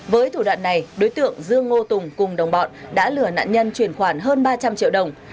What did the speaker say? với thủ đoạn này đối tượng dương ngô tùng cùng đồng bọn đã lừa nạn nhân chuyển khoản hơn ba trăm linh triệu đồng